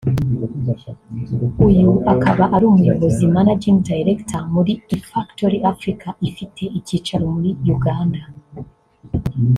uyu akaba ari umuyobozi (Managing Director)muri Ifactory Africa ifite icyicaro muri Uganda